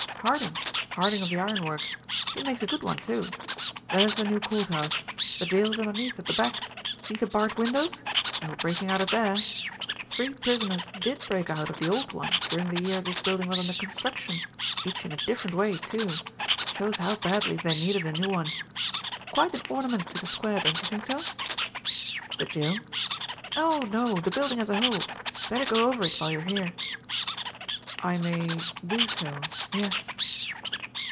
"Harding Harding of the iron works. He makes a good one, too. There's the new courthouse. The jail is underneath at the back. See the barred windows? No breaking out of there. Three prisoners did break out of the old one during the year this building was under construction, each in a different way, too, shows how badly they needed a new one. Quite an ornament to the square, don't you think so?" "The jail?" "No, no, The building as a whole. Better go over it while you're here." "I may do so yes."